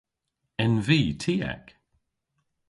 En vy tiek?